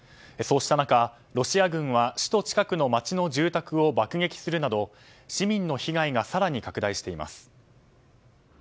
そうした中、ロシア軍は首都近くの街の住宅を爆撃するなど市民の被害が更に拡大しています。